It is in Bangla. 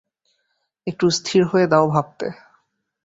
একটু স্থির হয়ে দাও ভাবতে।